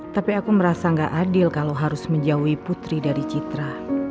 tapi aku merasa gak adil kalau harus menjauhi putri dari citra